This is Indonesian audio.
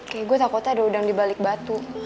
kayak gue takutnya ada udang dibalik batu